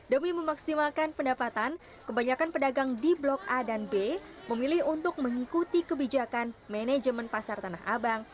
demi memaksimalkan pendapatan kebanyakan pedagang di blok a dan b memilih untuk mengikuti kebijakan manajemen pasar tanah abang